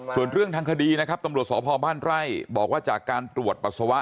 ส่วนเรื่องทางคดีนะครับตำรวจสพบ้านไร่บอกว่าจากการตรวจปัสสาวะ